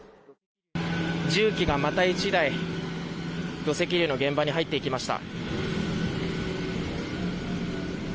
重機がまた１台土石流の現場に入っていきました。